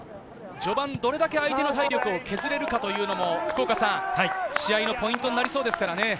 序盤どれだけ相手の体力を削れるかというのも試合のポイントになりそうですね。